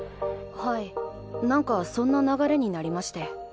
はいなんかそんな流れになりまして。